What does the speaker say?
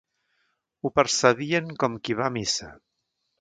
Ho percebien com qui va a missa.